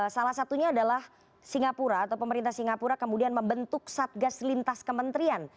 salah satunya adalah singapura atau pemerintah singapura kemudian membentuk satgas lintas kementerian